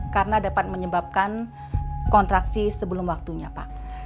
karena dapat menyebabkan kontraksi sebelum waktunya pak